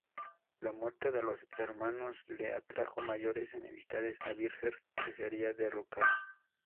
La muerte de los hermanos le atrajo mayores enemistades a Birger, que sería derrocado.